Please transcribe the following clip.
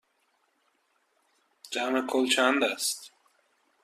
جمع کل چند است؟